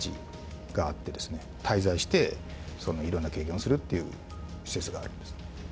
滞在していろんな経験をするっていう施設があるんです。